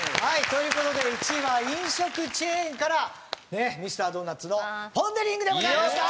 という事で１位は飲食チェーンからミスタードーナツのポン・デ・リングでございました！